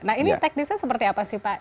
nah ini teknisnya seperti apa sih pak